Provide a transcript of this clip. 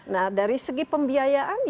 nah dari segi pembiayaan ya kita harus